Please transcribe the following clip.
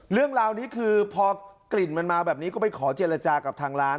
เรื่องราวนี้คือพอกลิ่นมันมาแบบนี้ก็ไปขอเจรจากับทางร้าน